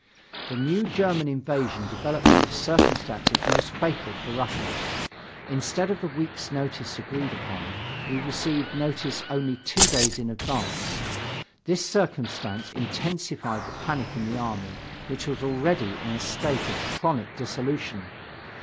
The new German invasion developed under circumstances most fatal for Russia. Instead of the week's notice agreed upon, we received notice only two days in advance. This circumstance intensified the panic in the army which was already in state of chronic dissolution.